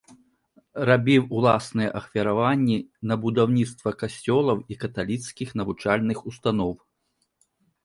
Рабіў уласныя ахвяраванні на будаўніцтва касцёлаў і каталіцкіх навучальных устаноў.